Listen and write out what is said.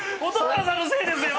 蛍原さんのせいですよ！